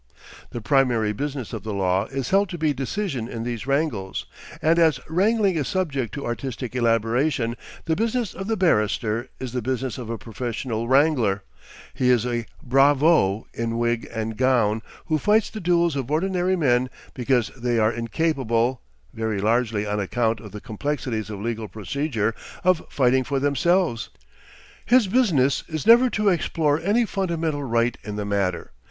The primary business of the law is held to be decision in these wrangles, and as wrangling is subject to artistic elaboration, the business of the barrister is the business of a professional wrangler; he is a bravo in wig and gown who fights the duels of ordinary men because they are incapable, very largely on account of the complexities of legal procedure, of fighting for themselves. His business is never to explore any fundamental right in the matter.